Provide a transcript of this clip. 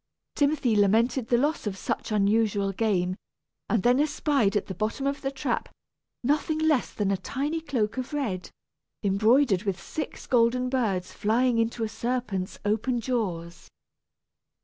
Timothy lamented the loss of such unusual game, and then espied at the bottom of the trap nothing less than a tiny cloak of red, embroidered with six golden birds flying into a serpent's open jaws!